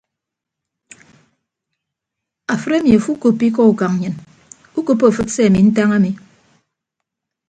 Afịt emi afo ukoppo ikọ ukañ nnyịn ukoppo afịt se ami ntañ ami.